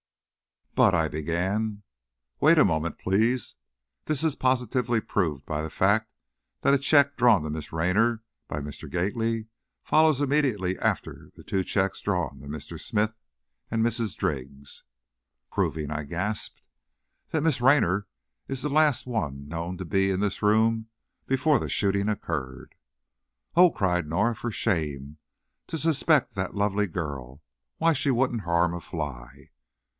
"But " I began. "Wait a moment, please. This is positively proved by the fact that a check drawn to Miss Raynor by Mr. Gately follows immediately after the two checks drawn to Mr. Smith and Mrs. Driggs." "Proving?" I gasped. "That Miss Raynor is the last one known to be in this room before the shooting occurred." "Oh," cried Norah, "for shame! To suspect that lovely girl! Why, she wouldn't harm a fly!"